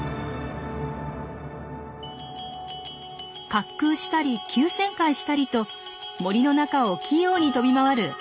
滑空したり急旋回したりと森の中を器用に飛び回るアレクサンドラ。